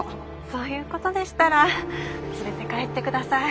そういうことでしたら連れて帰って下さい。